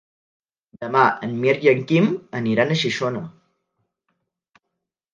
Demà en Mirt i en Quim aniran a Xixona.